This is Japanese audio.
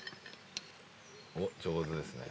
上手ですね。